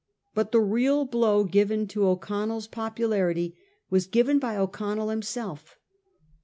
But the real blow given to O'Connell's popularity was given by O'Con nell himself.